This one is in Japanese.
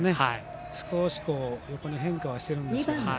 少し横に変化はしてるんですけど。